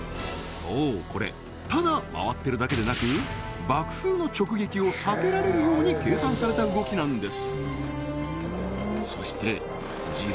そうこれただ回ってるだけでなく爆風の直撃を避けられるように計算された動きなんです